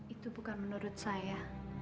itu bukan menurut saya